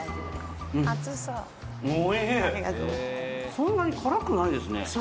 そんなに辛くないですね。